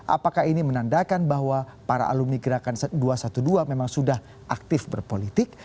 apakah ini menandakan bahwa para alumni gerakan dua ratus dua belas memang sudah aktif berpolitik